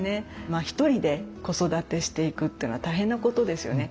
まあ１人で子育てしていくっていうのは大変なことですよね。